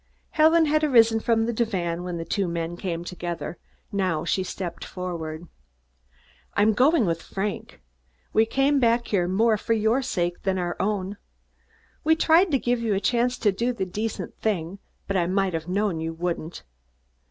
Helen had arisen from the divan when the two men came together. Now she stepped forward. "I'm going with Frank. We came back here more for your sake than our own. We tried to give you a chance to do the decent thing, but I might have known you wouldn't.